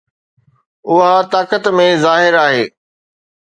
اها طاقت ۾ ظاهر آهي.